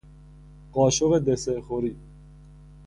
قاشق دسر خوری